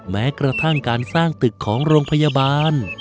แม้กระทั่งการสร้างตึกของโรงพยาบาล